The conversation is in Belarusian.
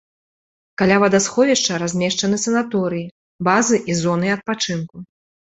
Каля вадасховішча размешчаны санаторыі, базы і зоны адпачынку.